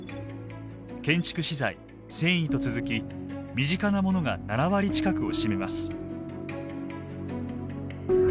建築資材繊維と続き身近なものが７割近くを占めます。